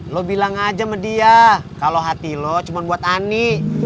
lo bilang aja sama dia kalau hati lo cuma buat ani